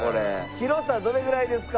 広さどれぐらいですか？